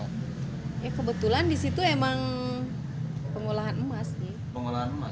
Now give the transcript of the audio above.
ya kebetulan disitu emang pengolahan emas